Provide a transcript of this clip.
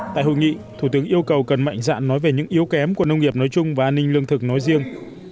tại hội nghị thủ tướng yêu cầu cần mạnh dạn nói về những yếu kém của nông nghiệp nói chung và an ninh lương thực nói riêng